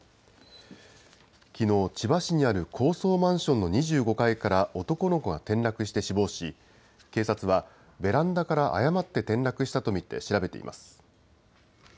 きのう、千葉市にある高層マンションの２５階から男の子が転落して死亡し、警察はベランダから誤って転落したと見て調べています。